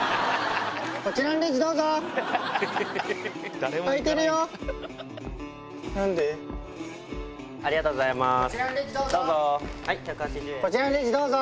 こちらのレジ、どうぞ。